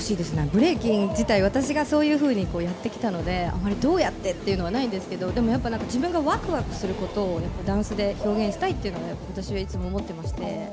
ブレイキン自体、私がそういうふうにやってきたのでどうやってというのはないんですけれども、でも、やっぱ自分がわくわくすることをダンスで表現したいというのが、私はいつも思っていまして。